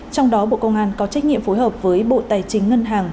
trong đó bộ công an có trách nhiệm phối hợp với bộ tài chính ngân hàng